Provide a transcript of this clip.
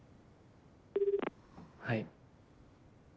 はい。